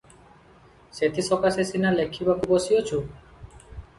ସେଥିସକାଶେ ସିନା ଲେଖିବାକୁ ବସିଅଛୁ ।